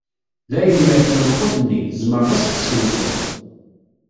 Dayen yerkem lqut-nni, tzemreḍ ad as-tessenseḍ.